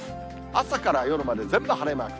朝から夜まで全部晴れマーク。